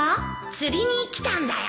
釣りに来たんだよ